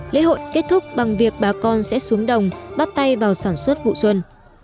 lễ hội kết thúc bằng việc bà con sẽ xuống đồng bắt tay vào sản xuất vụ xuân